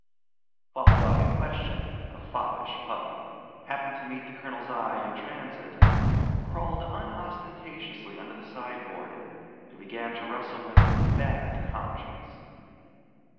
while the dog in question a foppish pug happening to meet the colonel's eye in transit, crawled unostentatiously under the sideboard, and began to wrestle with a bad conscience.